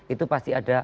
itu pasti ada